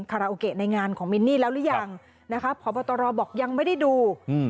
คาราโอเกะในงานของมินนี่แล้วหรือยังนะคะพบตรบอกยังไม่ได้ดูอืม